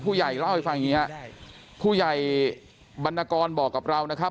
ผู้ใหญ่เล่าให้ฟังอย่างงี้ฮะผู้ใหญ่บรรณกรบอกกับเรานะครับ